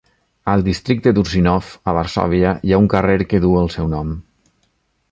Al districte d'Ursynow, a Varsòvia, hi ha un carrer que duu el seu nom.